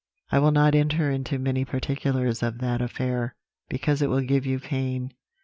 "I will not enter into many particulars of that affair, because it will give you pain.